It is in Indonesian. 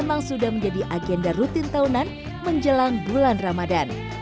memang sudah menjadi agenda rutin tahunan menjelang bulan ramadan